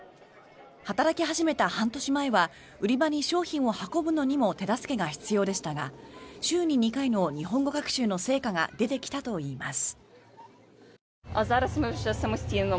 働き始めた半年前は売り場に商品を運ぶのにも手助けが必要でしたが週に２回の日本語学習の成果が出てきたといいます。